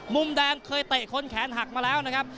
มุมแดงเคยเตะคนแขนหักมาแล้วนะครับ